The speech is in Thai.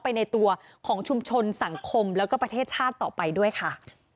ในตัวของชุมชนสังคมแล้วก็ประเทศชาติต่อไปด้วยค่ะ